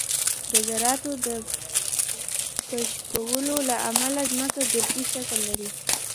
د ذراتو د کشکولو له امله ځمکه ګردی شکل لري